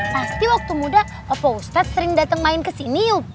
pasti waktu muda folstad sering datang main kesini yuk